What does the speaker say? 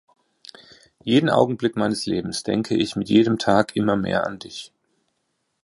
Jeden Augenblick meines Lebens denke ich mit jedem Tag immer mehr an dich.